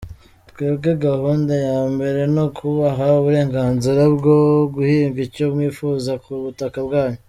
Twebwe gahunda ya mbere ni ukubaha uburenganzira bwo guhinga icyo mwifuza ku butaka bwanyu.